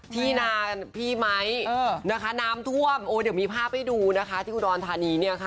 ที่นานพี่ไม้น้ำท่วมเดี๋ยวมีภาพให้ดูนะคะที่ดอนธานี